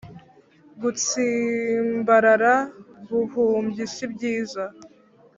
gutsimbarara buhumyi sibyiza